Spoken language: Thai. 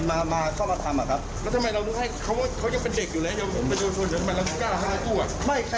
ปากกับภาคภูมิ